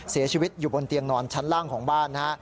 เสียชีวิตอยู่บนเตียงนอนชั้นล่างของบ้านนะฮะ